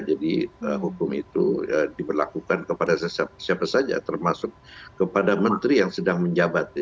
hukum itu diberlakukan kepada siapa saja termasuk kepada menteri yang sedang menjabat